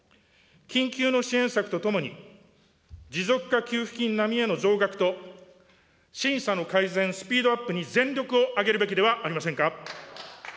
緊急の支援策とともに、持続化給付金並みへの増額と審査の改善、スピードアップに全力を挙げるべきではありませんか。